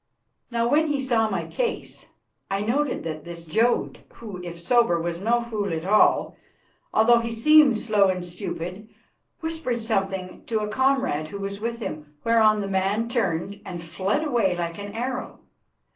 Now, when he saw my case, I noted that this Jodd, who, if sober, was no fool at all, although he seemed so slow and stupid, whispered something to a comrade who was with him, whereon the man turned and fled away like an arrow.